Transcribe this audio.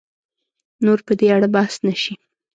نور په دې اړه بحث نه شي